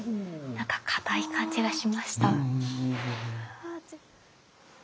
何か固い感じがしました。